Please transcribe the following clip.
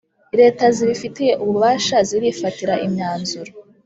Leta zibifitiye ububasha zirifatira imyanzuro